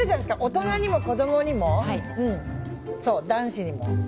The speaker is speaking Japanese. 大人にも子供にも男子にも。